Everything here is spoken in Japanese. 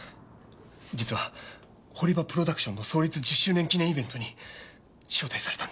実は堀場プロダクションの創立１０周年記念イベントに招待されたんです。